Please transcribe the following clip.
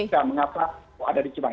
kita mengapa ada di jepang